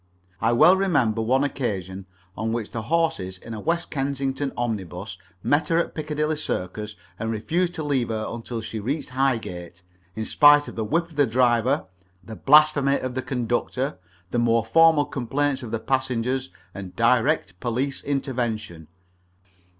I well remember one occasion on which the horses in a West Kensington omnibus met her at Piccadilly Circus and refused to leave her until she reached Highgate, in spite of the whip of the driver, the blasphemy of the conductor, the more formal complaints of the passengers, and direct police intervention.